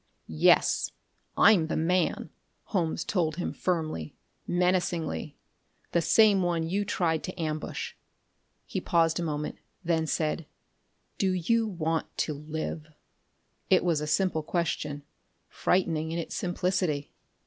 "Yes, I'm the man," Holmes told him firmly, menacingly. "The same one you tried to ambush." He paused a moment, then said: "Do you want to live?" It was a simple question, frightening in its simplicity.